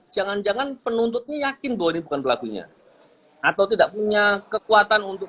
jangan jangan penuntutnya yakin bahwa ini bukan pelakunya atau tidak punya kekuatan untuk